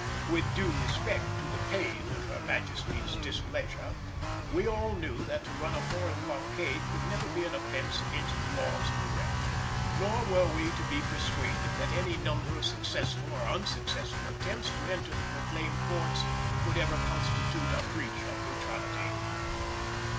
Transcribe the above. With due respect to the pain of Her Majesty's displeasure we all knew that to run a foreign blockade could never be an offence against the laws of the realm, nor were we to be persuaded that any number of successful or unsuccessful attempts to enter the proclaimed ports could ever constitute a breach of neutrality.